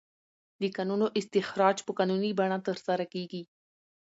د کانونو استخراج په قانوني بڼه ترسره کیږي.